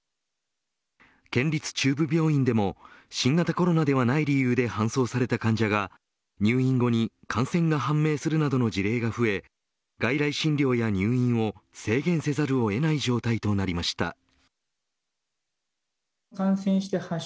県立中部病院でも新型コロナウイルスでない理由で搬送された患者が入院後に感染が判明するなどの事例が増え外来診療や入院を制限せざるをえない状態となりました。